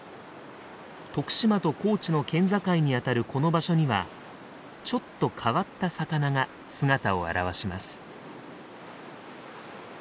徳島と高知の県境にあたるこの場所にはちょっと変わった魚が姿を現します。